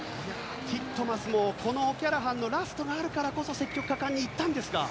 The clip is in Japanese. ティットマスもこのオキャラハンのラストがあるからこそ積極果敢に行ったんですが。